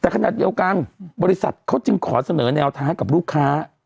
แต่ขนาดเดียวกันบริษัทเขาจึงขอเสนอแนวทางให้กับลูกค้า